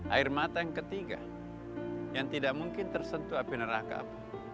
air mata yang ketiga yang tidak mungkin tersentuh api nerakap